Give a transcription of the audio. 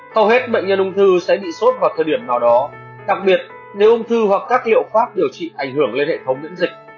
hầu hết bệnh nhân ung thư sẽ bị sốt vào thời điểm nào đó đặc biệt nếu ung thư hoặc các liệu pháp điều trị ảnh hưởng lên hệ thống miễn dịch